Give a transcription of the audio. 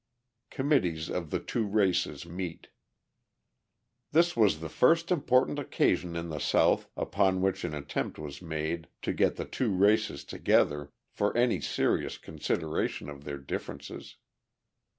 Committees of the Two Races Meet This was the first important occasion in the South upon which an attempt was made to get the two races together for any serious consideration of their differences.